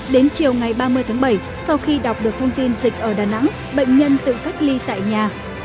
đến chiều ngày ba mươi tháng bảy sau khi đọc được thông tin dịch ở đà nẵng bệnh nhân tự cách ly tại nhà